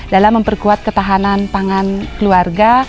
dalam memperkuat ketahanan pangan keluarga